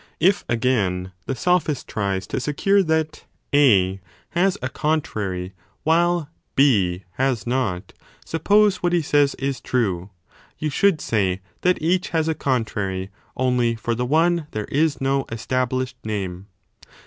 If, again, the sophist tries to secure that A has a contrary while B has not, 2 suppose what he says is true, you should say that each has a con trary, only for the one there is no established name.